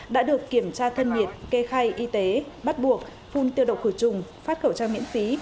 đã được kiểm tra thân nhiệt kê khai y tế bắt buộc phun tiêu độc khử trùng phát khẩu trang miễn phí